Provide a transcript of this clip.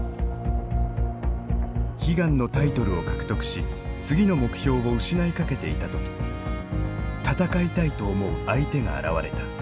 悲願のタイトルを獲得し次の目標を失いかけていた時戦いたいと思う相手が現れた。